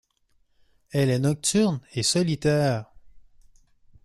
Elle est nocturne et solitaire.